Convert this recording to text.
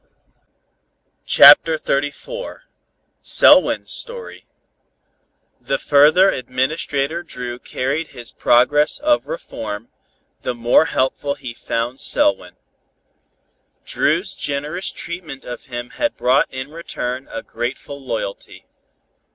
CHAPTER XXXIV SELWYN'S STORY The further Administrator Dru carried his progress of reform, the more helpful he found Selwyn. Dru's generous treatment of him had brought in return a grateful loyalty.